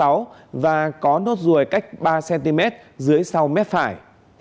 đối tượng này cao một m năm mươi sáu và có nốt ruồi cách ba cm dưới sau mép phải